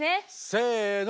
せの！